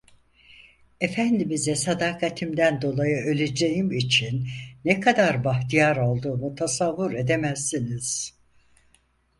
Efendimize sadakatimden dolayı öleceğim için ne kadar bahtiyar olduğumu tasavvur edemezsiniz.